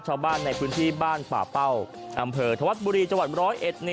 ชาวบ้านในพื้นที่บ้านป่าเป้าอำเภอถวัฏบุรีจร้อยเอ็ด